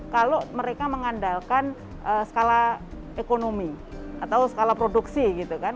kalau mereka mengandalkan skala ekonomi atau skala produksi gitu kan